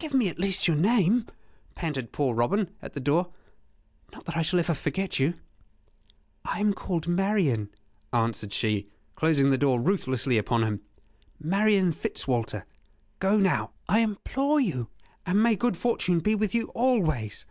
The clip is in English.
"Give me at least your name," panted poor Robin, at the door; "not that I shall ever forget you." "I am called Marian," answered she, closing the door ruthlessly upon him "Marian Fitzwalter.... Go now, I implore you, and may good fortune be with you always."